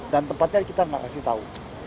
dan tempatnya kita tidak kasih tahu